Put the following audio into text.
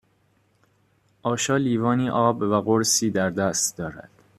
آشا لیوانی آب و قرصی در دست دارد